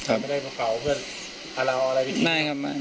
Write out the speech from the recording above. ไม่ได้เผาเพื่อนเอาอะไรที่ทิ้ง